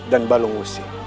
dan balung usi